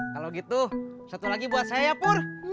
kalau gitu satu lagi buat saya pur